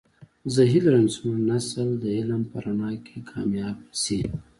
زه هیله لرم چې زمونږنسل د علم په رڼا کې کامیابه شي